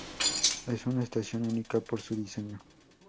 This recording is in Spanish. Es una estación única por su diseño.